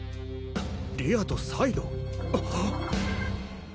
リアとサイド？